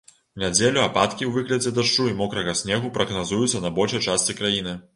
У нядзелю ападкі ў выглядзе дажджу і мокрага снегу прагназуюцца на большай частцы краіны.